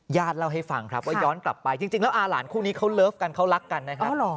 เล่าให้ฟังครับว่าย้อนกลับไปจริงแล้วอาหลานคู่นี้เขาเลิฟกันเขารักกันนะครับ